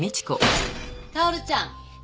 薫ちゃん？